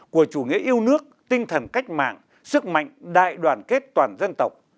của chủ nghĩa yêu nước tinh thần cách mạng sức mạnh đại đoàn kết toàn dân tộc